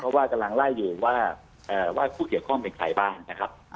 เพราะว่ากำลังไล่อยู่ว่าผู้เกี่ยวข้องเป็นใครบ้างนะครับ